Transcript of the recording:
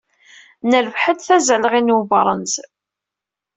Nerbeḥ-d tazalɣi n webṛenz.